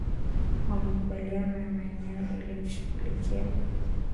wa makubaliano ya maeneo ili kushughulikia